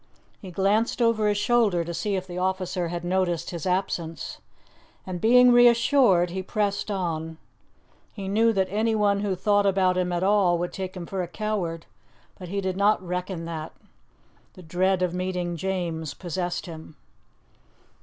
He glanced over his shoulder to see if the officer had noticed his absence, and being reassured, he pressed on. He knew that anyone who thought about him at all would take him for a coward, but he did not reckon that. The dread of meeting James possessed him.